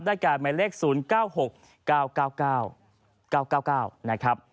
ได้การใหม่เลข๐๙๖๙๙๙๙๙๙นะครับ